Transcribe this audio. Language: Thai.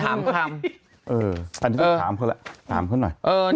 อันนี้ถามให้เขาแล้ว